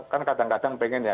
kan kadang kadang pengen ya